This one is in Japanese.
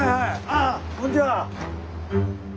ああこんにちは！